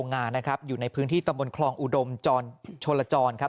งานนะครับอยู่ในพื้นที่ตำบลคลองอุดมชนลจรครับ